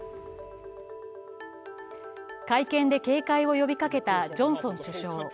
会見で警戒を呼びかけたジョンソン首相。